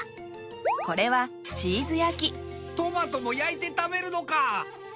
これはチーズやきトマトも焼いて食べるのか！